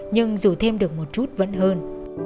nhưng dù thêm được một chút vẫn hơn